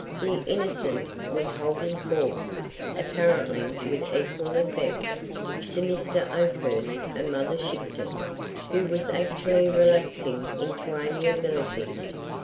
The Innocent was holding forth, apparently with equal effect, to Mr. Oakhurst and Mother Shipton, who was actually relaxing into amiability.